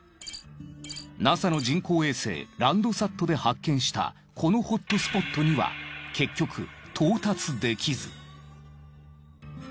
ＮＡＳＡの人工衛星ランドサットで発見したこのホットスポットには結局到達できず。